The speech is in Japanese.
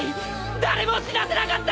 誰も死なせなかった！